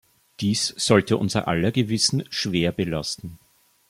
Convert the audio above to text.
Dies sollte unser aller Gewissen schwer belasten.